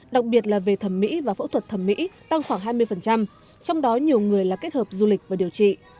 đặc biệt là về thẩm mỹ và phẫu thuật thẩm mỹ tăng khoảng hai mươi trong đó nhiều người là kết hợp du lịch và điều trị